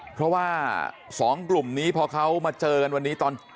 เพราะว่าสองกลุ่มนี้พอเขามาเจอกัน